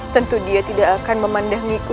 tentu dia tidak akan memandahiku